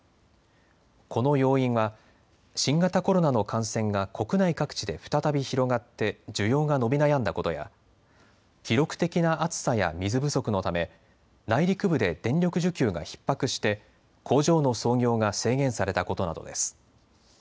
この要因は新型コロナの感染が国内各地で再び広がって需要が伸び悩んだことや記録的な暑さや水不足のため内陸部で電力需給がひっ迫して工場の操業が制限されたことなどです。